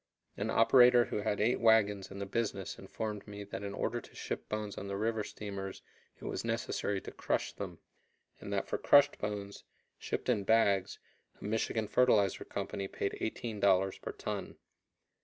An operator who had eight wagons in the business informed me that in order to ship bones on the river steamers it was necessary to crush them, and that for crushed bones, shipped in bags, a Michigan fertilizer company paid $18 per ton.